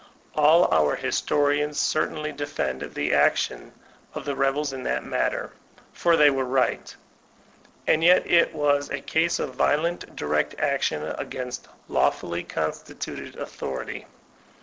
All our historians certainly defend the action of the rebels in that matter, as reason is, for they were right And yet it was a case of violent direct action against lawfullj constituted authority.